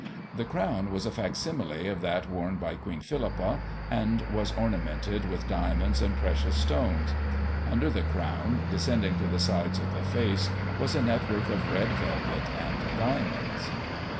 The crown was a facsimile of that worn by Queen Philippa, and was ornamented with diamonds and precious stones. Under the crown, descending to the sides of the face, was a network of red velvet and diamonds.